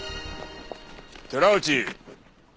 寺内。